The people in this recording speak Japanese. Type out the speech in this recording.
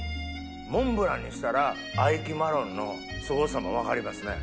モンブランにしたら愛樹マロンのすごさも分かりますね。